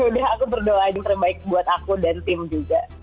udah aku berdoa aja yang terbaik buat aku dan tim juga